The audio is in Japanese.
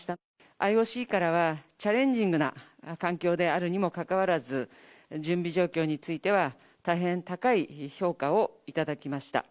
ＩＯＣからは、チャレンジングな環境であるにもかかわらず、準備状況については、大変高い評価をいただきました。